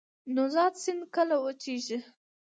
نوزاد سیند کله وچیږي؟